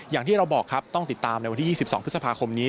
อย่างที่เราบอกครับต้องติดตามในวันที่๒๒พฤษภาคมนี้